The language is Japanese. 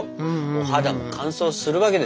お肌も乾燥するわけですよ。